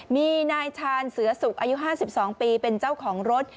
มีนายชาญเสือสุกอายุ๕๒ปีเป็นเจ้าของรถ